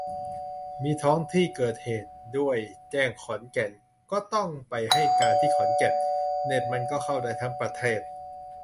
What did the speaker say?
มี 'ท้องที่เกิดเหตุ' ด้วย แจ้งขอนแก่น ก็ต้องไปให้การที่ขอนแก่น เน็ตมันก็เข้าได้ทั้งประเทศ